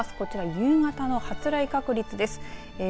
こちら夕方の発雷確率です。